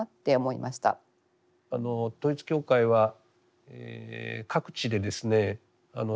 統一教会は各地でですね